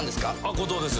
後藤です。